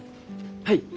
はい。